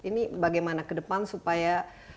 ini bagaimana ke depan supaya